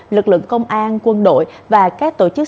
lực lượng công an quân đội và các tổ chức